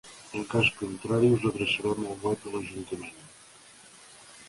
En cas contrari, us adreçarem al web de l'ajuntament.